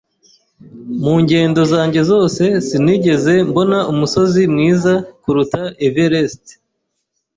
Mu ngendo zanjye zose sinigeze mbona umusozi mwiza kuruta Everest